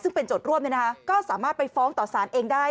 ซึ่งเป็นจดร่วมนะครับก็สามารถไปฟ้องต่อสารเองได้